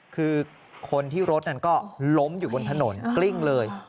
คือคนที่รถนั้นก็ล้มอยู่บนถนนกลิ้งเลย